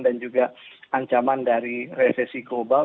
dan juga ancaman dari resesi global